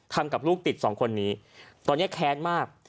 ทำกับลูกติดสองคนนี้ตอนนี้แค้นมาก